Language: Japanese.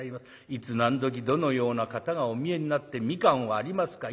いつ何どきどのような方がお見えになって『蜜柑はありますか』